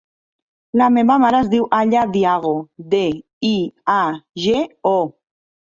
La meva mare es diu Aya Diago: de, i, a, ge, o.